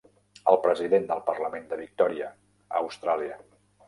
El president del parlament de Victoria, Austràlia.